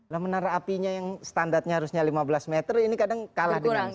lah menara apinya yang standarnya harusnya lima belas meter ini kadang kalah dengan